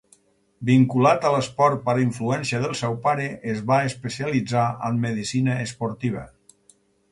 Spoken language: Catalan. Vinculat a l'esport per influència del seu pare, es va especialitzar en medicina esportiva.